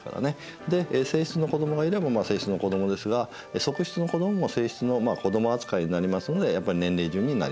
で正室の子どもがいれば正室の子どもですが側室の子どもも正室の子ども扱いになりますのでやっぱり年齢順になります。